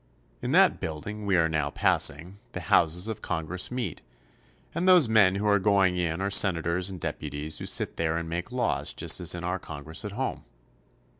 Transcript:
In that building we are now passing the houses of Con gress meet, and those men who are going in are senators and deputies who sit there and make laws just as in our Congress at home.